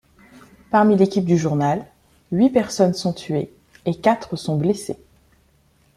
Parmi l'équipe du journal, huit personnes sont tuées, et quatre sont blessées.